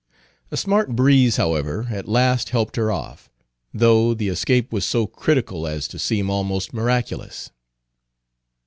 A smart breeze, however, at last helped her off, though the escape was so critical as to seem almost miraculous.